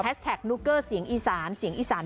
แท็กนุเกอร์เสียงอีสานเสียงอีสาน